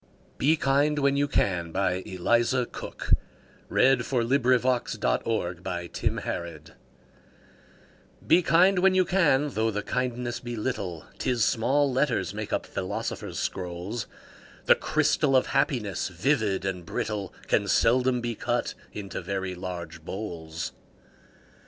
46033Be Kind When You CanEliza Cook Be kind when you can, though the kindness be little, 'Tis small letters make up philosophers' scrolls; The crystal of Happiness, vivid and brittle, Can seldom be cut into very large bowls.